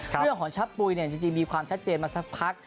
ของชับปุ๋ยจริงมีความชัดเจนมาสักพัก